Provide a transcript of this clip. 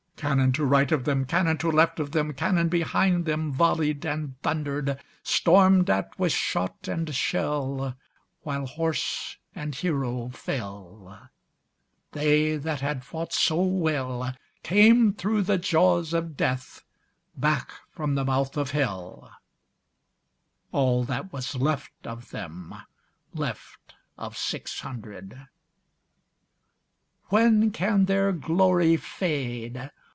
Cannon to right of them, Cannon to left of them, Cannon behind themVolley'd and thunder'd; Storm'd at with shot and shell, While horse and hero fell, They that had fought so wellCame thro' the jaws of Death, Back from the mouth of Hell, All that was left of them, Left of six hundred. When can their glory fade?